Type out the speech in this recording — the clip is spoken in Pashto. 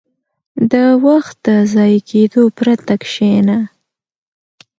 • د وخت د ضایع کېدو پرته کښېنه.